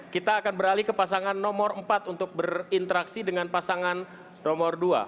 kita akan beralih ke pasangan nomor empat untuk berinteraksi dengan pasangan nomor dua